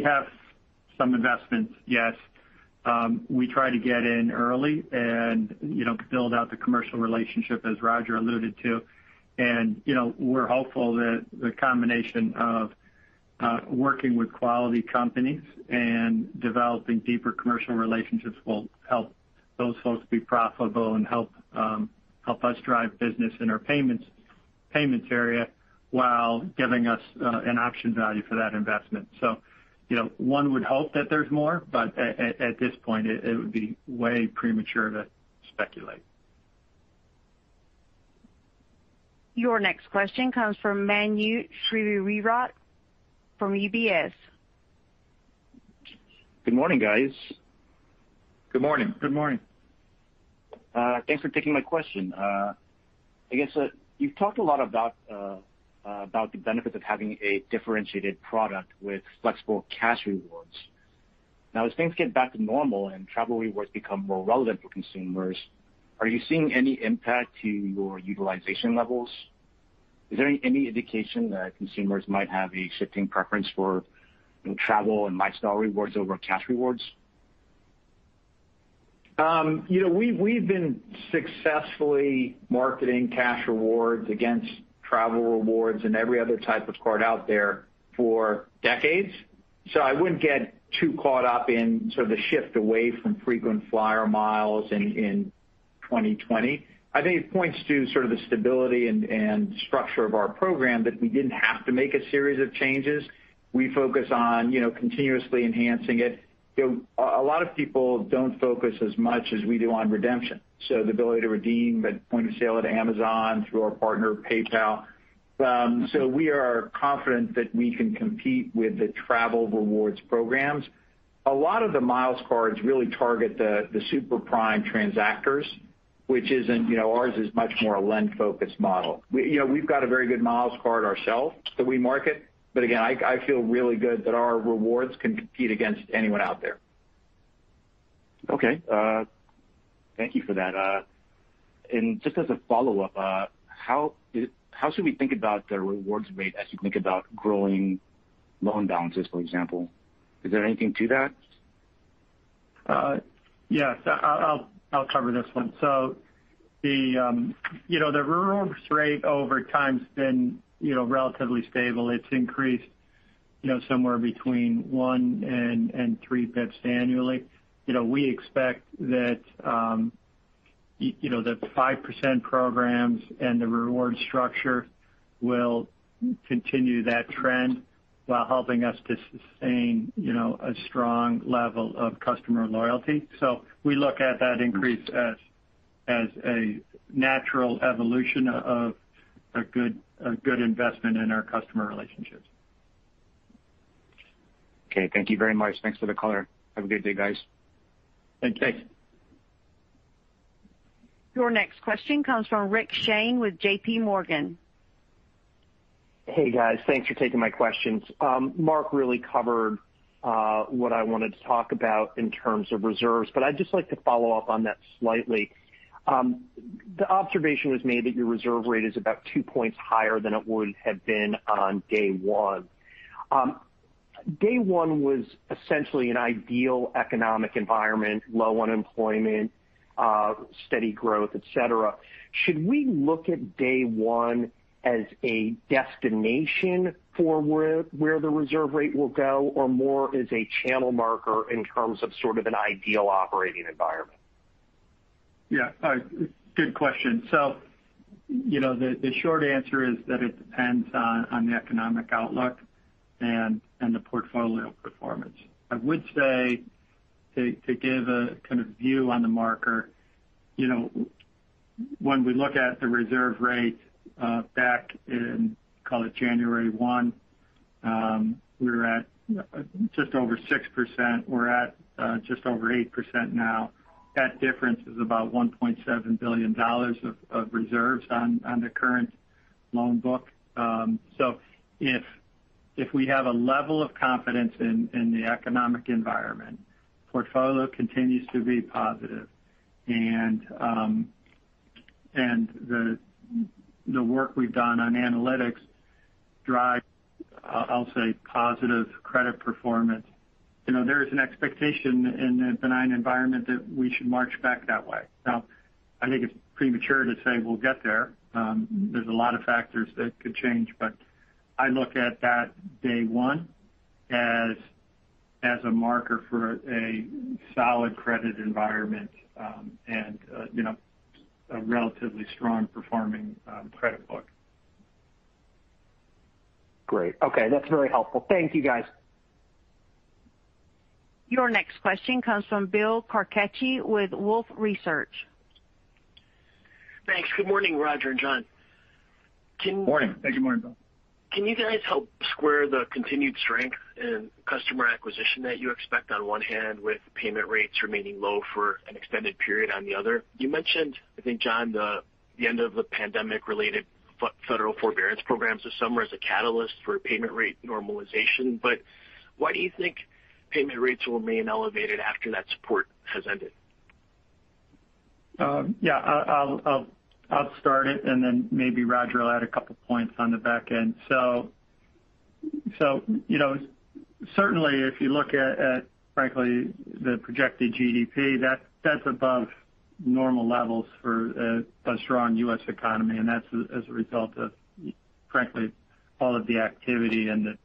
have some investments, yes. We try to get in early and build out the commercial relationship, as Roger alluded to. We're hopeful that the combination of working with quality companies and developing deeper commercial relationships will help those folks be profitable and help us drive business in our payments area while giving us an option value for that investment. One would hope that there's more, but at this point, it would be way premature to speculate.
Your next question comes from Manu Srivareerat from UBS.
Good morning, guys.
Good morning.
Good morning.
Thanks for taking my question. I guess you've talked a lot about the benefits of having a differentiated product with flexible cash rewards. Now, as things get back to normal and travel rewards become more relevant for consumers, are you seeing any impact to your utilization levels? Is there any indication that consumers might have a shifting preference for travel and lifestyle rewards over cash rewards?
We've been successfully marketing cash rewards against travel rewards and every other type of card out there for decades. I wouldn't get too caught up in sort of the shift away from frequent flyer miles in 2020. I think it points to sort of the stability and structure of our program that we didn't have to make a series of changes. We focus on continuously enhancing it. A lot of people don't focus as much as we do on redemption. The ability to redeem at point of sale at Amazon through our partner PayPal. We are confident that we can compete with the travel rewards programs. A lot of the miles cards really target the super prime transactors. Ours is much more a lend-focused model. We've got a very good miles card ourselves that we market. Again, I feel really good that our rewards can compete against anyone out there.
Okay. Thank you for that. Just as a follow-up, how should we think about the rewards rate as you think about growing loan balances, for example? Is there anything to that?
Yes. I'll cover this one. The rewards rate over time has been relatively stable. It's increased somewhere between 1 and 3 basis points annually. We expect that the 5% programs and the reward structure will continue that trend while helping us to sustain a strong level of customer loyalty. We look at that increase as a natural evolution of a good investment in our customer relationships.
Okay. Thank you very much. Thanks for the color. Have a good day, guys.
Thank you.
Your next question comes from Rick Shane with JPMorgan.
Hey, guys. Thanks for taking my questions. Mark really covered what I wanted to talk about in terms of reserves, but I'd just like to follow up on that slightly. The observation was made that your reserve rate is about two points higher than it would have been on day one. Day one was essentially an ideal economic environment, low unemployment, steady growth, et cetera. Should we look at day one as a destination for where the reserve rate will go, or more as a channel marker in terms of sort of an ideal operating environment?
Good question. The short answer is that it depends on the economic outlook and the portfolio performance. I would say to give a kind of view on the marker, when we look at the reserve rate back in, call it January 1, we were at just over 6%. We're at just over 8% now. That difference is about $1.7 billion of reserves on the current loan book. If we have a level of confidence in the economic environment, portfolio continues to be positive, and the work we've done on analytics drives, I'll say, positive credit performance. There is an expectation in the benign environment that we should march back that way. I think it's premature to say we'll get there. There's a lot of factors that could change. I look at that day one as a marker for a solid credit environment and a relatively strong performing credit book.
Great. Okay. That's very helpful. Thank you, guys.
Your next question comes from Bill Carcache with Wolfe Research.
Thanks. Good morning, Roger and John.
Morning.
Hey, good morning, Bill.
Can you guys help square the continued strength in customer acquisition that you expect on one hand with payment rates remaining low for an extended period on the other? You mentioned, I think, John, the end of the pandemic-related federal forbearance programs this summer as a catalyst for payment rate normalization. Why do you think payment rates will remain elevated after that support has ended?
Yeah. I'll start it, and then maybe Roger will add a couple of points on the back end. Certainly if you look at, frankly, the projected GDP, that's above normal levels for a strong U.S. economy, and that's as a result of, frankly, all of the activity and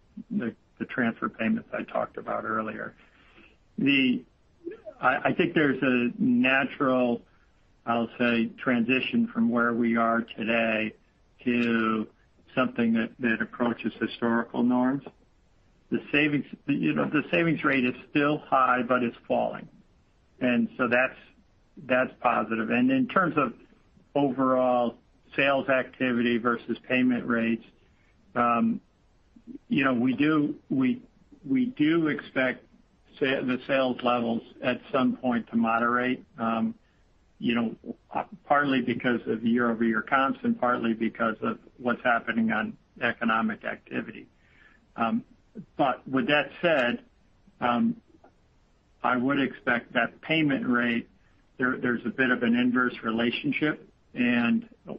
the transfer payments I talked about earlier. I think there's a natural, I'll say, transition from where we are today to something that approaches historical norms. The savings rate is still high, but it's falling. That's positive. In terms of overall sales activity versus payment rates, we do expect the sales levels at some point to moderate, partly because of year-over-year comps and partly because of what's happening on economic activity. With that said, I would expect that payment rate, there's a bit of an inverse relationship,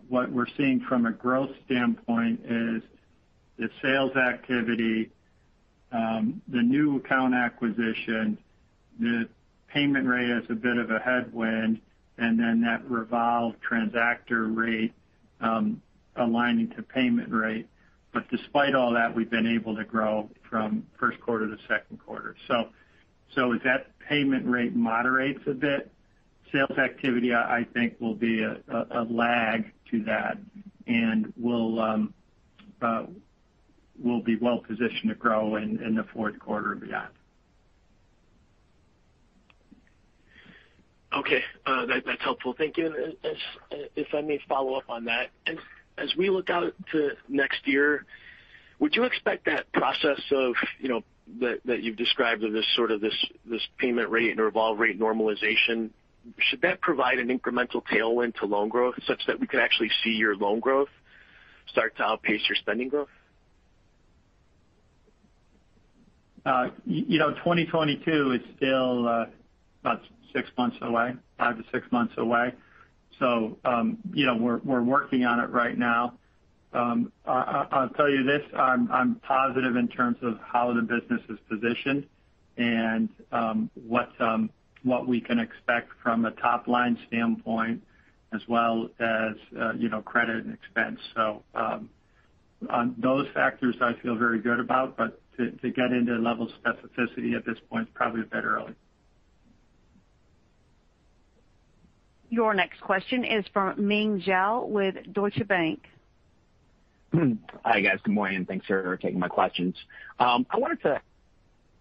what we're seeing from a growth standpoint is the sales activity, the new account acquisition, the payment rate is a bit of a headwind, and then that revolve transactor rate aligning to payment rate. Despite all that, we've been able to grow from first quarter to second quarter. As that payment rate moderates a bit, sales activity, I think, will be a lag to that and we'll be well-positioned to grow in the fourth quarter of the year.
Okay. That's helpful. Thank you. If I may follow up on that. As we look out to next year, would you expect that process that you've described of this sort of this payment rate and revolve rate normalization, should that provide an incremental tailwind to loan growth such that we could actually see your loan growth start to outpace your spending growth?
2022 is still about six months away, five to six months away. We're working on it right now. I'll tell you this. I'm positive in terms of how the business is positioned and what we can expect from a top-line standpoint, as well as credit and expense. On those factors, I feel very good about. To get into a level of specificity at this point is probably a bit early.
Your next question is from Meng Jiao with Deutsche Bank.
Hi, guys. Good morning. Thanks for taking my questions. I wanted to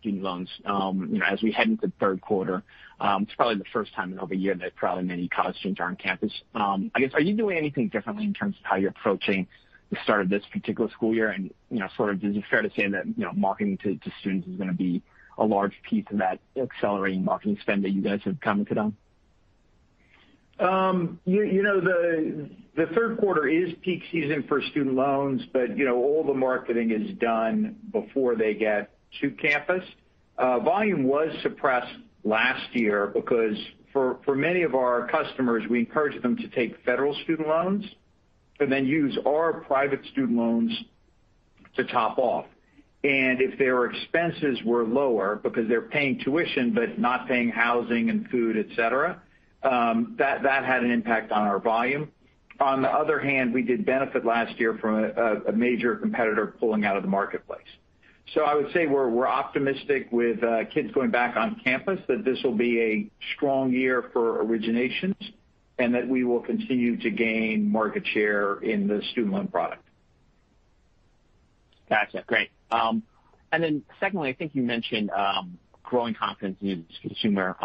do loans. As we head into the third quarter, it's probably the first time in over a year that probably many college students are on campus. I guess, are you doing anything differently in terms of how you're approaching the start of this particular school year? Is it fair to say that marketing to students is going to be a large piece of that accelerating marketing spend that you guys have commented on?
The third quarter is peak season for student loans, but all the marketing is done before they get to campus. Volume was suppressed last year because, for many of our customers, we encourage them to take federal student loans and then use our private student loans to top off. If their expenses were lower because they're paying tuition, but not paying housing and food, et cetera, that had an impact on our volume. On the other hand, we did benefit last year from a major competitor pulling out of the marketplace. I would say we're optimistic with kids going back on campus that this will be a strong year for originations, and that we will continue to gain market share in the student loan product.
Got you. Great. Secondly, I think you mentioned growing confidence in consumer.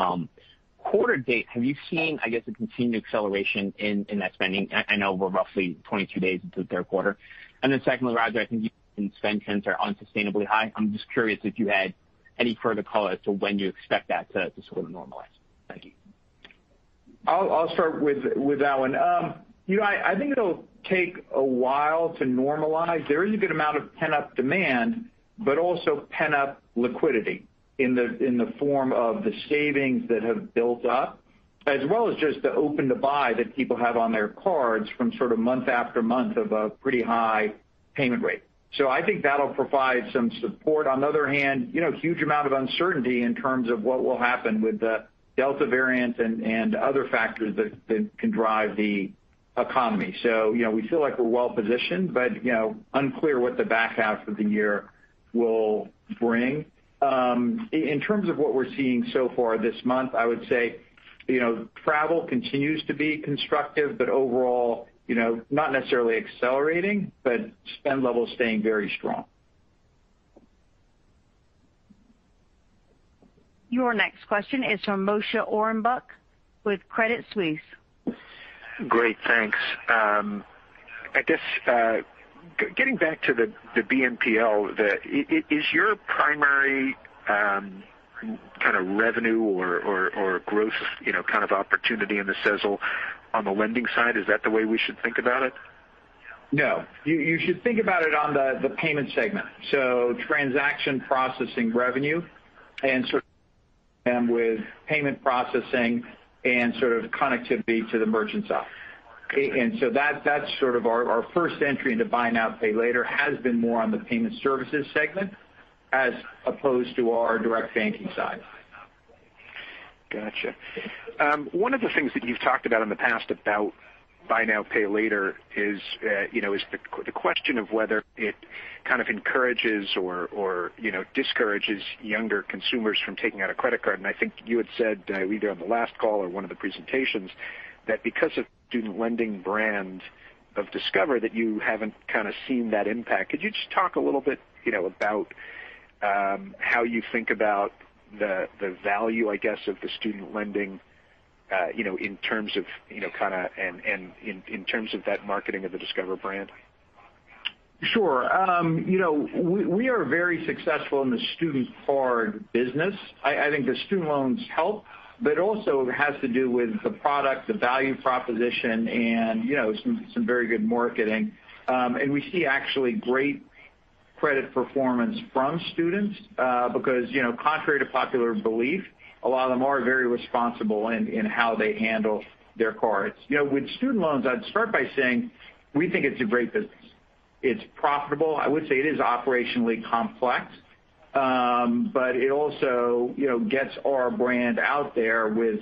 Quarter-to-date, have you seen, I guess, a continued acceleration in that spending? I know we're roughly 22 days into the third quarter. Secondly, Roger, I think you said spend trends are unsustainably high. I'm just curious if you had any further color as to when you expect that to sort of normalize. Thank you.
I'll start with that one. I think it'll take a while to normalize. There is a good amount of pent-up demand, but also pent-up liquidity in the form of the savings that have built up, as well as just the open to buy that people have on their cards from sort of month after month of a pretty high payment rate. I think that'll provide some support. On the other hand, huge amount of uncertainty in terms of what will happen with the Delta variant and other factors that can drive the economy. We feel like we're well-positioned, but unclear what the back half of the year will bring. In terms of what we're seeing so far this month, I would say travel continues to be constructive, but overall, not necessarily accelerating, but spend levels staying very strong.
Your next question is from Moshe Orenbuch with Credit Suisse.
Great. Thanks. I guess, getting back to the BNPL, is your primary kind of revenue or growth kind of opportunity in the Sezzle on the lending side? Is that the way we should think about it?
No. You should think about it on the payment segment. Transaction processing revenue and with payment processing and sort of connectivity to the merchant side.
Okay.
That's sort of our first entry into buy now, pay later has been more on the payment services segment as opposed to our direct banking side.
Got you. One of the things that you've talked about in the past about buy now, pay later is the question of whether it kind of encourages or discourages younger consumers from taking out a credit card. I think you had said, either on the last call or one of the presentations, that because of student lending brand of Discover, that you haven't kind of seen that impact. Could you just talk a little bit about how you think about the value, I guess, of the student lending in terms of that marketing of the Discover brand?
Sure. We are very successful in the student card business. I think the student loans help, but also it has to do with the product, the value proposition, and some very good marketing. We see actually great credit performance from students because contrary to popular belief, a lot of them are very responsible in how they handle their cards. With student loans, I'd start by saying we think it's a great business. It's profitable. I would say it is operationally complex. It also gets our brand out there with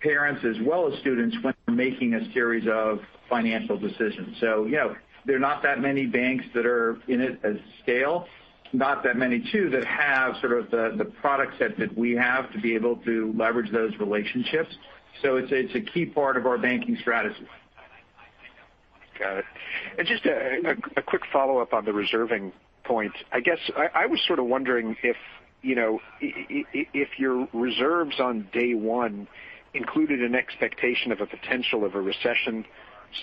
parents as well as students when they're making a series of financial decisions. There are not that many banks that are in it at scale, not that many, too, that have sort of the product set that we have to be able to leverage those relationships. It's a key part of our banking strategy.
Got it. Just a quick follow-up on the reserving point. I guess I was sort of wondering if your reserves on day one included an expectation of a potential of a recession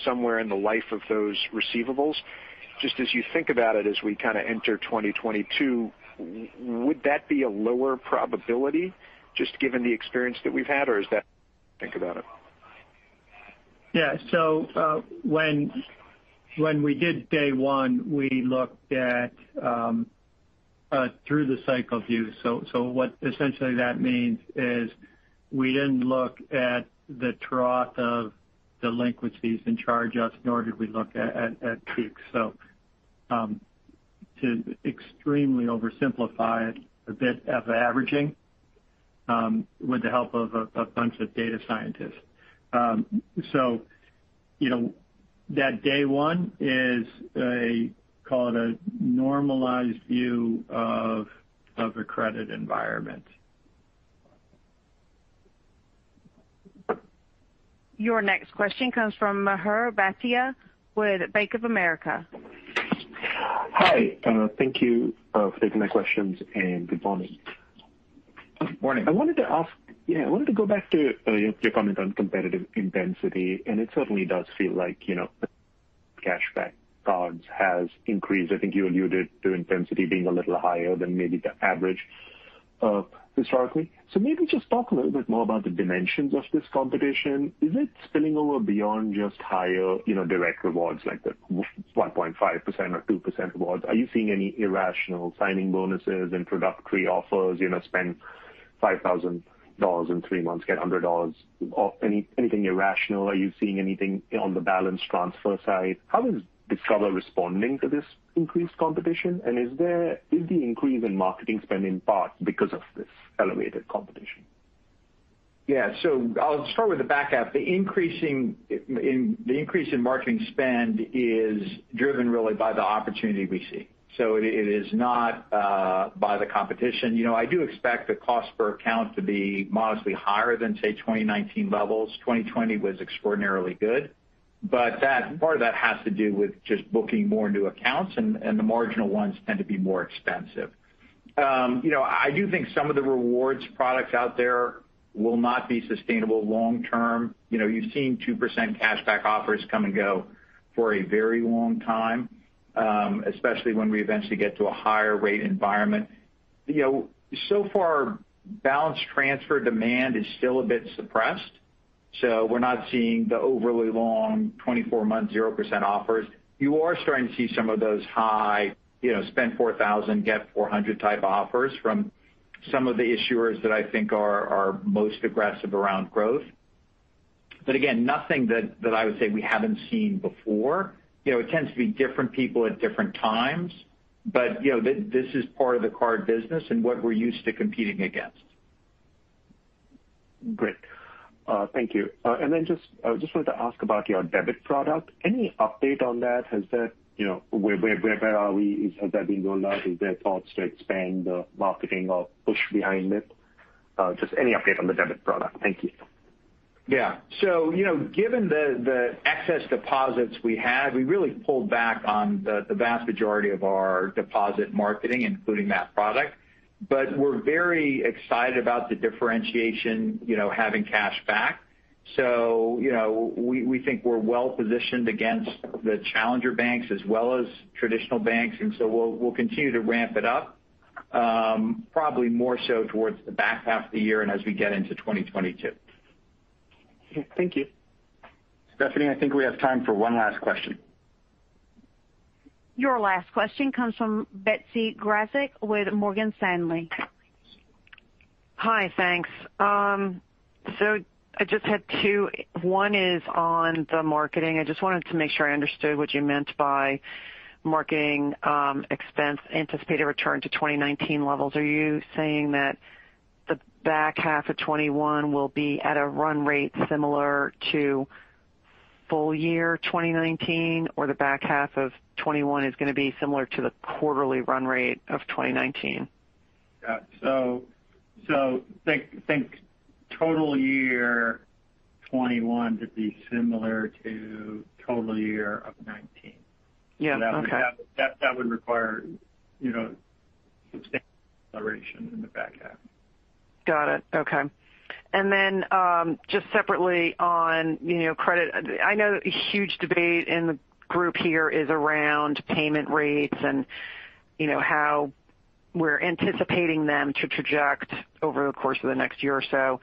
somewhere in the life of those receivables. Just as you think about it as we kind of enter 2022, would that be a lower probability just given the experience that we've had, or is that how you think about it?
When we did day one, we looked at through the cycle view. What essentially that means is we didn't look at the trough of delinquencies and charge-offs, nor did we look at peaks. To extremely oversimplify it a bit of averaging with the help of a bunch of data scientists. That day one is a, call it a normalized view of the credit environment.
Your next question comes from Mihir Bhatia with Bank of America.
Hi, thank you for taking my questions, and good morning.
Good morning.
I wanted to go back to your comment on competitive intensity. It certainly does feel like the cashback cards has increased. I think you alluded to intensity being a little higher than maybe the average historically. Maybe just talk a little bit more about the dimensions of this competition. Is it spilling over beyond just higher direct rewards like the 1.5% or 2% rewards? Are you seeing any irrational signing bonuses and introductory offers, spend $5,000 in three months, get $100, or anything irrational? Are you seeing anything on the balance transfer side? How is Discover responding to this increased competition, and is the increase in marketing spend in part because of this elevated competition?
I'll start with the back half. The increase in marketing spend is driven really by the opportunity we see. It is not by the competition. I do expect the cost per account to be modestly higher than, say, 2019 levels. 2020 was extraordinarily good. Part of that has to do with just booking more new accounts, and the marginal ones tend to be more expensive. I do think some of the rewards products out there will not be sustainable long term. You've seen 2% cashback offers come and go for a very long time, especially when we eventually get to a higher rate environment. Far, balance transfer demand is still a bit suppressed, so we're not seeing the overly long 24-month 0% offers. You are starting to see some of those high spend $4,000 get $400 type offers from some of the issuers that I think are most aggressive around growth. Again, nothing that I would say we haven't seen before. It tends to be different people at different times. This is part of the card business and what we're used to competing against.
Great. Thank you. I just wanted to ask about your debit product. Any update on that? Where are we? Has that been rolled out? Is there thoughts to expand the marketing or push behind it? Just any update on the debit product. Thank you.
Yeah. Given the excess deposits we had, we really pulled back on the vast majority of our deposit marketing, including that product. We're very excited about the differentiation, having cash back. We think we're well positioned against the challenger banks as well as traditional banks. We'll continue to ramp it up probably more so towards the back half of the year and as we get into 2022.
Okay. Thank you.
Stephanie, I think we have time for one last question.
Your last question comes from Betsy Graseck with Morgan Stanley.
Hi, thanks. I just had two. One is on the marketing. I just wanted to make sure I understood what you meant by marketing expense anticipated return to 2019 levels. Are you saying that the back half of 2021 will be at a run rate similar to full year 2019, or the back half of 2021 is going to be similar to the quarterly run rate of 2019?
Yeah. Think total year 2021 to be similar to total year of 2019.
Yeah. Okay.
That would require substantial acceleration in the back half.
Got it. Okay. Then just separately on credit. I know a huge debate in the group here is around payment rates and how we're anticipating them to traject over the course of the next year or so.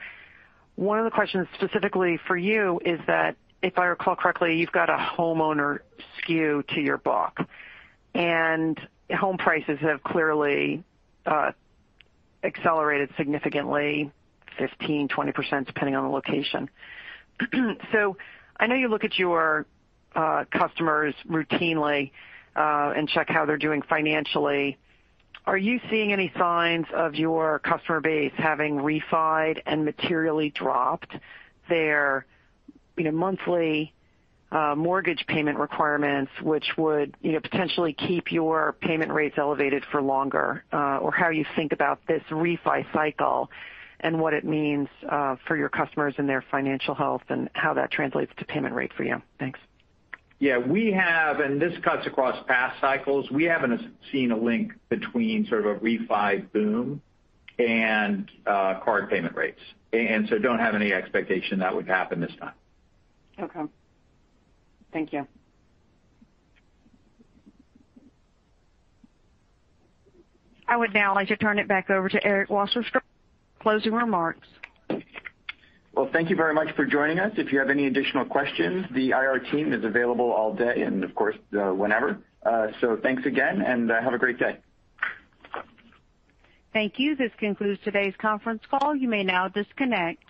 One of the questions specifically for you is that if I recall correctly, you've got a homeowner skew to your book, and home prices have clearly accelerated significantly 15%-20%, depending on the location. I know you look at your customers routinely and check how they're doing financially. Are you seeing any signs of your customer base having refied and materially dropped their monthly mortgage payment requirements, which would potentially keep your payment rates elevated for longer? How you think about this refi cycle and what it means for your customers and their financial health, and how that translates to payment rate for you. Thanks.
Yeah. We have, and this cuts across past cycles. We haven't seen a link between sort of a refi boom and card payment rates, and so don't have any expectation that would happen this time.
Okay. Thank you.
I would now like to turn it back over to Eric Wasserstrom for closing remarks.
Well, thank you very much for joining us. If you have any additional questions, the IR team is available all day and of course, whenever. Thanks again and have a great day.
Thank you. This concludes today's conference call. You may now disconnect.